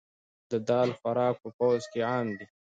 د دال خوراک په پوځ کې عام دی.